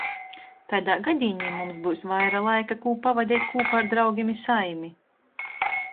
Taidā gadīnī mums byus vaira laika, kū pavadeit kūpā ar draugim i saimi.